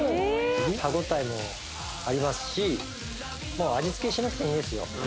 歯応えもありますしもう味付けしなくてもいいんですよ